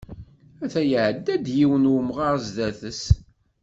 Ata ya iɛedda-d, yiwen n umɣar sdat-s.